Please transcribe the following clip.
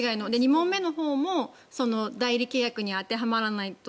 ２問目のほうも代理契約に当てはまらないと。